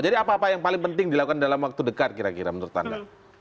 jadi apa apa yang paling penting dilakukan dalam waktu dekat kira kira menurut anda